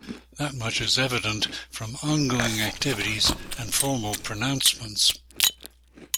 That much is evident from ongoing activities and formal pronouncements.